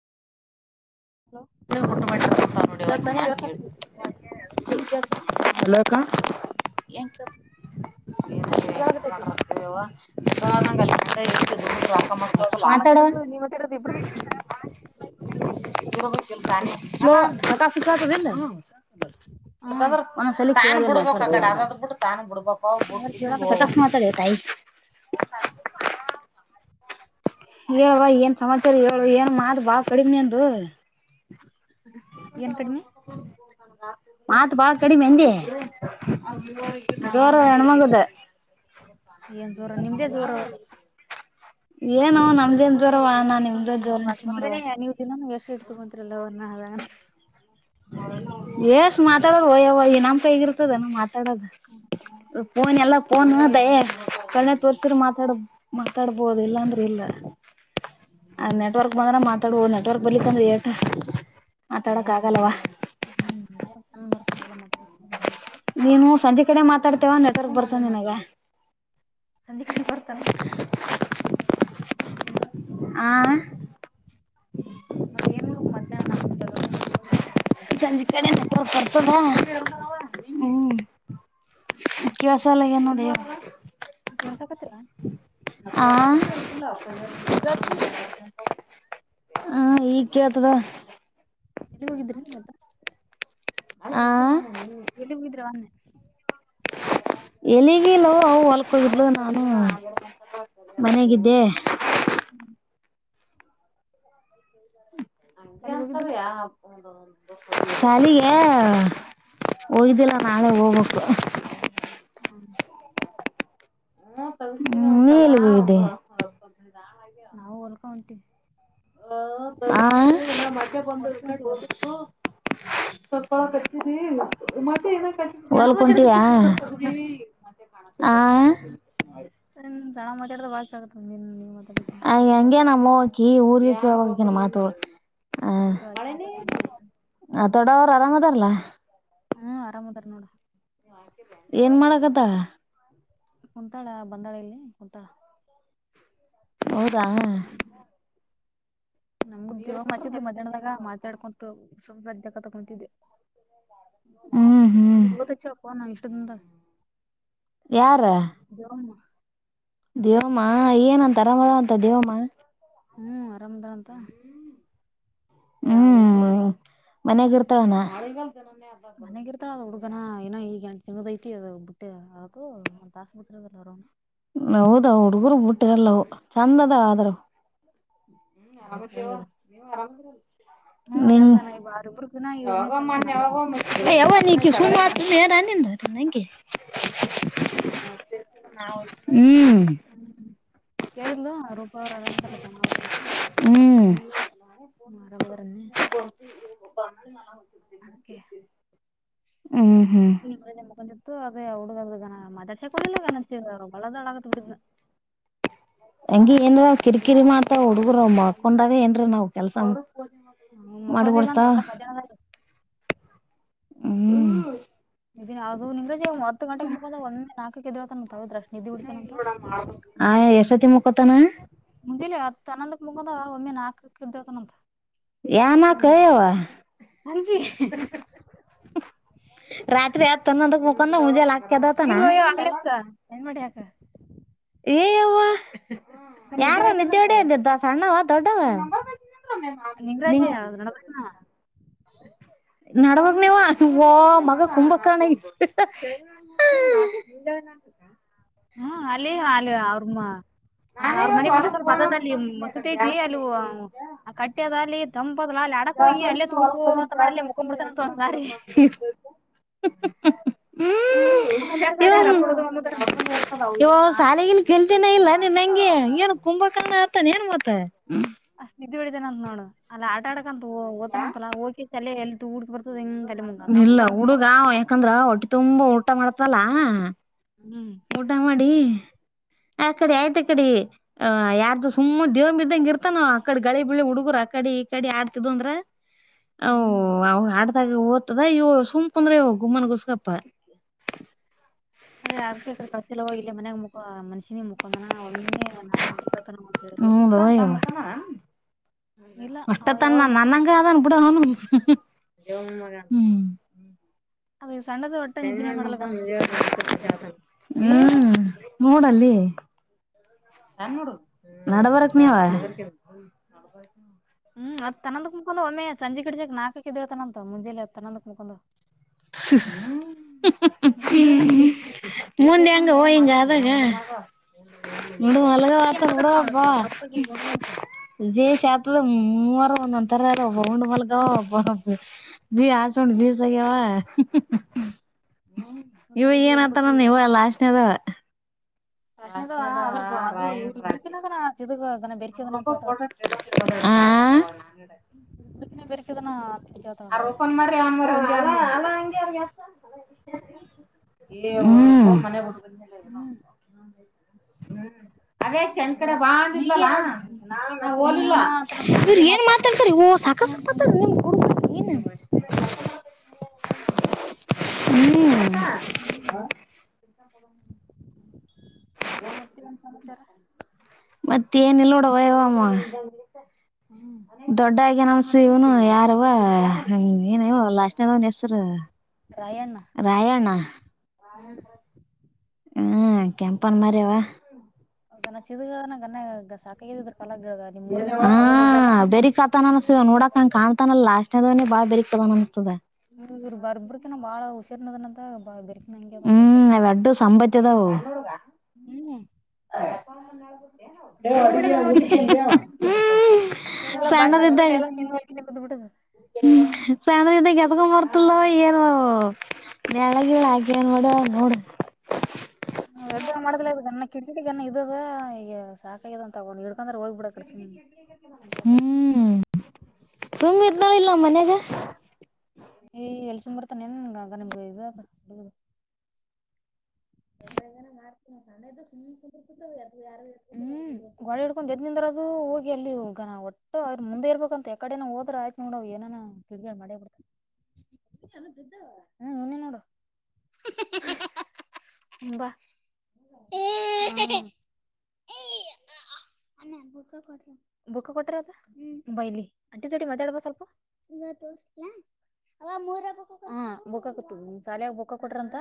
Hello ಊಟ ಮಾಡ ಹ ನೋಡಿವಂತ ಏನ್ ಕೇಳಿ ಕೇಳಸಾಕತೈತಿ ಹ್ಮ ಕೇಳಕತೈತಿ ನಾ [unintelligible] [unintelligible] ಮಾತಾಡದು ನೀ ಮಾತಾಡೋದ್ ಇಬ್ರುದು ಕೇಳಾ [unintelligible] [unintelligible] ಆದ್ರ ಕೇಳಕತೈತ್ ನೋಡ [unintelligible] ಹೇಳುವಾ ಏನ್ ಸಮಾಚಾರ ಹೇಳ ಏನ್ ಮಾತ್ ಬಾಳ್ ಕಡಿಮೆ ನಿಂದು ಏನ್ ಕಡಿಮಿ [unintelligible] ಮತ್ ಬಾಳ ಕಡಿಮೆ ಎಂದಿ ನಾವ ಜೋರ ಹೆಣ್ಮಗುದ ಏನ್ ಜೋರ ನಿಮ್ದೇ ಜೋರ ಏನು ನಮ್ದೇನ್ ಜ್ವರವ ನಾ ನಿಮ್ದ ಜೋರ ಅನ್ ನೋಡುವ ನನ್ಗೆ ಎಷ್ಟು ಇಡ್ ತಗೊಂತ್ರಲ್ಲ ಅವರ್ನ್ನ ಆದ ಎಏಷ್ಟ ಮಾತಾಡದು ಒಯ್ಯ ಇ ನಂಪ ಹಗಿರ್ತದ ನ ಮಾತಾಡೋದು ಫೋನ್ ಎಲ್ಲ ಫೋನ್ದಯ ಕಣ್ಣೆ ತೋರ್ಸ್ರೆ ಮಾತಾಡ ಮಾತಾಡ್ಬೋುದು ಇಲ್ಲಾಂದ್ರೆ ಇಲ್ಲ ಅ ನೆಟ್ವರ್ಕ್ ಬಂದ್ರ ಮಾತಾಡುವೋ ನೆಟ್ವರ್ಕ್ ಬರ್ಲಿಕ್ಕಂದ್ರ ಏಟ್ ಮಾತಾಡಕ್ ಆಗಲ್ವಾ ಹ್ಮ್ ಮೆಟ್ರ ಚಂದ್ ಬರ್ತದಿಲ್ಲ ಮ ನೀನು ಸಂಜೆ ಕಡೆ ಮಾತಾಡ್ತೇವ ನೆಟ್ವರ್ಕ್ ಬರ್ತ ನಿನಗ ಸಂದಿಕಡೆ ಪರತಾನ ಆ ಮತ್ತ ಏನ್ ಮಧ್ಯಾಹ್ ನಮ ತಗ ಸಂಜಿಕಡೆ ಪರತ ಹ್ಮ ಸಗೆನ ದವು ಕೇಳ್ಸಕತ್ತಿಲ್ಲ ಹಾ ಕೇಳತಿಲ್ಲ ಹಾ ಈಗ್ ಕೇಳ್ತದ ಎಲ್ಲಿ ಹೋಗಿದ್ರ ಅತ್ತ ಆ ಎಲ್ಲಿಗಿದ್ರವ್ಣೆ ಎಲ್ಲಿಗಿಲ್ಲ ಅವವು ಹೊಲ್ಕೋಗಿದ್ಲು ನಾನು ಮನೆಗಿದ್ದೆ [unintelligible] ಸಾಲಿಗ್ ಹೋಗಿದ್ದಿಲ್ಲ [unintelligible] ಶಾಲಿಗೆ. ಹೋಗ್ದಿಲ್ಲ ನಾಳೆ ಹೋಗ್ಬೇಕು. [unintelligible] ನಾವು ಹೊಲಕ್ಕೆ ಹೊಂಟಿವಿ. [unintelligible] ಹ್ಮ್ಮ್ ಹೊಲಕ್ ಹೊಂಟಿವಿ ಹೊಲಕ್ ಹೂ. [unintelligible] ಸಣ್ಣ ಹೊಲಕ್ ಹೊಂಟೀಯಾ. ಸಣ ಮಾತಡ್ದ ಭಾಳ ಚ ಆಗತ್ತ. ಆ ಹೆಂಗಗೆ ನಮ್ಮ ಅವ್ವ ಆಕಿ ಊರಿಗೆ ಆಯ್ತು [unintelligible] ದೊಡ್ವವ ಅವರು ಅರಮ್ಮ ಇದರಲ್ಲ. ಹ್ಮ್ ಆರಾಮದಾರ ನೋಡ. ಏನ್ ಮಾಡಕತಾಳ. ಕುಂತಾಳ ಬಂದಾಳ ಇಲ್ಲಿ ಕುಂತಾಳ. ಹೌದಾ. ನಮಗ್ದ ಹಚ್ಚಿದ್ಲು ಮದ್ಯಾಹ್ನ ಮಾತಾಡ್ಕೊಂತು ಕುಂತಿದ್ವಿ. ಹ್ಮ್ ಅದ ಇವತ್ತು ಹೆಚ್ಚಳ ಫೋನ್ ಇಷ್ಟ ದಿನ ಇರಲಾರದು. ಯಾರ ದೇವಮ್ಮ. ದೇವಮ್ಮ ಏನಂತ ಆರಾಮದ ಅಂತ ದೇವಮ್ಮ [unintelligible] ಹ್ಮ್. ಆರಾಮದಾರಂತ ಯ ಹ್ಮ್ ಹುಡುಗರು. ಮನ್ಯಾಗ ಇರ್ತಾಳನ ಮನೆಗಿರ್ತಾಳ ಅದ ಹುಡ್ಗನ ಏನೋ ಈಗ ಐದು ತಿಂಗಳ ಬಿಟ್ಟ. ಹ್ಮ್ಮ್ ಒಂದು ತಾಸು ಬಿಟ್ಟು ಇರೋದಿಲ್ಲ ಅವರ ಅವ್ವನ ಬಿಟ್ಟು. ಹೌದ ಹುಡುಗ್ರ ಬಿಟ್ಟಿರಲ್ಲವು ಚಂದ ಅದ ಆದ್ರ ಹ್ಮ್ ಆರಾಮದ್ದಿವಿ ನೀವು ಆರಾಮ ಹ್ಮ್ ಚಂದನ ಇವ ಅವ್ರಿಬ್ರು ಗುಣ ಇವನೇ ಚಂದನ [unintelligible] [unintelligible] [unintelligible] ಹ್ಮ್. ಕೇಳಿದ್ಲು ರೂಪ ಅವರ ಆರಾಮ ಅದರಲ್ಲ ಸಣ್ಣವ ಅವರು. ಅದಕ್ಕೆ [unintelligible] ಹ್ಮ ಹ್ಮ್. [inaudible] ಎತ್ತು ಅದೇ ಹಡುನ ಮಾತಾಡಾಸಕ್ಕೆ ಹೋಗಲಿಲ್ಲ ಗನ ಅಳದೆ ಅಳಕತಿದ. ಹಂಗಿ ಏನ್ ಕಿರಿಕಿರಿ ಮಾಡ್ತಾರೆ ಹುಡುಗರು ಮಲ್ಕೋಕೊಂಡಾಗ ಏನ್ರ ನಾವ್ ಕೆಲ್ಸ ಹ್ಮ್ಮ್ ಮ್ಯಾಲ್ಕೊಳೋದೇ ಮಾಡ್ಬಿಡ್ತಾವ ಇಲ್ಲಾ ಮದ್ಯಾಹ್ನ ಒತ್ತು. ಹ್ಮ್ [inaudible] [unintelligible] ನಿದ್ದಿನೇ ಅದು ನಿಂದ್ರಜಿ ಹತ್ತು ಗಂಟೆಕ್ ಮಕ್ಕೊಂಡ ಒಮ್ಮೆ ನಾಲ್ಕಕ್ ಎದ್ದೇಳ್ತಾನಂತ ಹೌದ್ರ ಅಷ್ಟ್ ನಿದ್ದಿ ಹೊಡಿತಾನಂತ ಹಾ ಎಷ್ಟೊತ್ತಿಗೆ ಮಳಕೊಂತನ. ಮುಂಜಲಿ ಹತ್ತು ಹನ್ನೊಂದುಕ್ಕ ಮುಗಂದ ಒಮ್ಮೆ ನಾಕಕ್ಕ ಎದಲ್ತತಾನಂತೆ ಯಾನಕ ಯವ್ವ ಹಂಜಿ [inaudible] ರಾತ್ರಿ ಹತ್ ಹನ್ನೊಂದುಕ್ ಮೊಲಕೊಂಡವ ಮುಂಜಲೆ ನಾಲ್ಕು ಕೆ ಎದೆಳ್ತನ. ಇಲ್ಲೋಯ್ಯ ಆಗ್ಲಕ್ಕ ಏನ್ ಮಾಡ್ಯಾಕ ಏ ಯೆವ್ವ ನಿದ್ದಿ ಯಾರೋ ನಿದ್ದೆ ಹೊಡಿತಾನಂತ ಹೊಡಿಯೋದು ಸಣ್ಣವ ದೊಡ್ಡವ ನಿಂಗರಾಜಿ [unintelligible] ಅದ್ ನಡದಕ್ನ [unintelligible] [unintelligible] ಹ್ಮ್ ಅಲ್ಲಿ ಅಲ್ಲಿ ಅವ್ರ್ಮ ಅ ಅವ್ರ ಮನೆಗ್ ಬಿಟ್ಟು ಸ್ವಲ್ಪ ಅದರ ಅತ್ಯಾತ ಅಲ್ಲಿ ಮಸೂದಿ ಐತಿ ಅಲ್ಲಿ ಕಟ್ಟಿ ಅದ ಅಲ್ಲಿ ತಂಪಾದ. ಆಡಕ ಹೋಗಿ ಅಲ್ಲೇ [unintelligible] [unintelligible] ತುಗಡಿಸ್ಕೊ ಒಂದೆರಡ್ ಸಾರಿ ಅವ್ರ ಅಪ್ಪರ ತಗೊಂಬಿಡ್ತಾರಂತ ಏ ಶಾಲಿ ಗಿಲಿ ಕಳಿತಿ ಇಲ್ಲ ನಿನ್ಂಗೆ. ಕುಭಕರ್ಣ ಆತಾನ ಏನ್ ಮತ್ತ. ಅಷ್ಟ ನಿದ್ದು ಬಿಡಿತೇನ ಅಂತ ನೋಡು ಅಲ್ಲ ಆಟ ಆಡಕ ಅಂತ ಓ ಓದತನ ಅಂತಲ್ಲ ಹೋಗಿ ಅಲ್ಲೇ ಎಲ್ಲಿ ತೂಗುಡ್ಕ ಬರ್ತದ ಹಿಂಗ್ ಅಲ್ಲಿ ಮುಂಗ ಇಲ್ಲ ತಂಪದಂತಲ್ಲ ಹುಡುಗ ಯಾಕಂದ್ರ ಒಟ್ಟಿ ತುಂಬಾ ಊಟ ಮಾಡ್ತಲ್ಲ ಹ್ಮ್ ಊಟ ಮಾಡಿ ಆ ಕಡೆ ಆಯ್ತ ಕಡೆ ಸುಮ್ಮನೆ ದೇವ್ ಬ್ದಂಗ ಇರ್ತಾನಾವ ಆಕಡೆ ಗಳಿ ಬಿಳಿ ಹುಡುಗರು ಆ ಕಡೆ ಈ ಕಡೆ ಆಡ್ತಿದ್ ಅಂದ್ರ ಹ್ಮ್ ಅವ ಆಡ್ದಾಗ ಓದ್ತದ ಇವ ಸುಂಪು ಅಂದ್ರೆ ಇ ಗುಮ್ಮನ್ ಗುಸ್ಕಪ್ಪ ಅದೇ ಅದ್ಕೆ ಈಕಡೆ ಕಳ್ಸಿಲ್ಲ ಇಲ್ಲೇ ಯ [inaudible] ಮನ್ಯಾಗ ಮುಕ ಮನ್ಷಿನಿ ಮುಕೊಂದನ ಒಮ್ಮೆ ನಾಲ್ಕು ಗಂಟೆ ಕೇಳ್ತಾನ ಅಂತ ಹೇಳಿದ್ಲು ಹ್ಮ ಇಲ್ಲ ಅಷ್ಟ ಅವ ತನ್ನ ಯಾವಾಗ ನ ನನ್ನ ಮುಕ್ಕೊಂಡ ಕದನ ಬಿಡ ಅವನು ಜೋ ಅದು ಸಣ್ಣದು ಒಟ್ಟ ನಿದ್ದಿನೇ ಮಗ ಮಾಡಲ್ಲ ಹ್ಮ್ ನೋಡಲ್ಲಿ ನಡಬರಕ್ ನೀವ ಹ್ಮ್ ಅದ್ ತನ್ನಂದಕ್ ಮುಕೊಂಡ್ ಒಮ್ಮೆ ಸಂಜೆ ಕಡಿಸಕ್ ಚಗ ನಾ [inaudible] ಬಲ [inaudible] ಮುಂದೆ ಅಂಗ ಹವಿಂಗ ಅಾಗ ನೀಡ ಅಲಗ ಅದಕ್ಕೆ ವತ ಹಂಗದಾನ ಬಿಡವಾಪ್ಪ ದಪ್ಪಗೆ ಗುಂಡ್ ಗುಂಡ್ಕ [unintelligible] ವಿೇ ಶೇತದ ಮೂವರ ಒಂದೊಂತರ ಒಬ್ಬ ರೌಂಡ್ ಮಲ್ಗ ಒಬ್ಬ ಹಸೊಂಡ ಬಾಗವಾ ಇವು ಏನತ್ತ ನನ್ ಇವಲ್ಲಾಸ್ನೇದ ಡ ರಾಶ್ನಿದವ ಅದ್ರ ಬ ಅದು ಇವ್ರ ಇಬ್ರಕಿನದನ ಚಿದಗ ಅದನ ಬೆರ್ಕಿದನ ಅಂತ ಹೇಳ್ತಾಳ [unintelligible] ಹಾ ಇಬ್ರಕಿನ ಬೆರ್ಕಿದನ ಅಂತ ಹೇಳ್ತಾಳ ಹೊಳ್ಳಿ ಅಕಂದ ಮಾರಂಗ ಅಲ್ಲ ಹ ಹ್ಮ್ ಇಲ್ಲ ಹಾಗೇಶ ಎನ್ ಕಡೆ ಹೀಗೆ ಬಾಂದಲಲ ಅವ್ ಹಲಲ್ ಅಮ್ಮಮ್ಮ ಅಂತ ಇವ್ರ ಹೀಗೆ ಏನ್ ಮಾತಾಡ ಮಾತಾಡ್ತಾರೆ ಓ ಸಾಕ ಸಾ ನಿಮ್ ಗು ಏ [inaudible] ಹ್ಮ್ ಮತ್ತೆ ಒಂದ ಸಮಾಚಾರ ಮತ್ತ ಏನಲ್ಲ ನೋಡವ ಯವಾಮ ಹ್ಮ್ ದೊಡ್ಡಾಗಿ ನಮಸಿವ್ನು ಯಾರುವ ಏನವ ಲಕ್ಷನದವನ್ ಹೆಸರು ರಾಯಣ್ಣ ರಾಯಣ್ಣ ಹ್ಮ್ ಹ್ಮ್ ಕೆಂಪನ್ ಮರವಾ ನ ಚಿದನ ಗನ್ನ ಸಾಕಾಗಿದ್ರರು ನಿಮ್ಮೂರಿಗೆ ಕರ್ಕಿಡೊಗು ಅಂತೇಲೆನೋ ಹ ಬೇರಿಕ್ ಆತನ್ ಅನಸ್ತ ನೋಡಕ್ಂಗ ಕಾಣ್ತಾನಲ್ಲ ಲಾನೇದನನೆ ಬಾಳ ಬೆೇೀಕ್ದ ಅನ್ಸ್ತದೆ ಬರ್ಬಕ ನ ಬಾಳ ಹುಸಿರ್ದ ಬ ಮಹಂಗೆ ಬಹ ಬ ಜ ಹ್ಮ್ ಅವ ಹ ಅಡ್ಡು ಸಂಬತ್ತಿ ಹ್ಮ್ ಏನ್ ಹ [unintelligible] ಎಲ್ಲ ಬಣ್ಣ ಹಕ್ಬಿು ಎಲ್ಲ ತಿಕಿ ಹ್ಮ ಸಣಿಂದ ಗದಗೊ ಮರ್ತಲ್ಲ ಾರ ವಿಳಗೆಿಳಾಕಿಯನ್ೂಡ ಅೋಡು ಎಡ್ಡ ಮಾಡದ ಗನ್ನ ಕಿಟ್ಟಿ ಗನ್ನ ಇದದ ಈಗ ಸಾಕ ಇಂತ ತಗೊಂಡ್ ತಕಂದ್ರೆ ಹೋಗ್ಬಿಡಕ್ ಕಡೆ ಸುಮ್ಮಿ ಮತ್ತ ಅ ಹ ಹ್ಮ್ ಸುಮ್ಮ್ ಇದ್ನಳ ಇಲ್ಲ ಮನ್ಯಾಗ ಏ ಎ [unintelligible] ಸುಮ್ರತಾನನ್ ನಿ ಇದಾಗ ಹುಡುಗುದು ಡೆ ಹ ಇಡ್ಕೊಂಡ ಎದ [unintelligible] ಅದು ಹೋಗಿ ಅಲ್ಲಿ ಈ ನಾ ಒಟ್ಟ್ರ್ ಮುೆರ್ಬೇಕ ಅಂತ ಎಕ ಕಡೆ ಹೋದ್ರ ಆಯ್ತ ನೋಡ್ ಏನ ಕಿಗಿ ಮಾಡೇ ಬಿಡ್ತಾನ ಹ [inaudible] ಹ್ಮ್ ಇನ್ನೆ ನೋಡು ಹಂಬ ಬ ಕೊ ಬುಕ ಕೊಟಾರ ಅದ ಹ್ಮ ಬೈಲಿ ಅಟ ಜೋಟ ಮಾತಾಡ್ಬ ಸ್ವಲ್ಪ ಬು ಶಾಲೆಾಗ ಬುಕ್ಕ ಕೊಟ್ರಂತ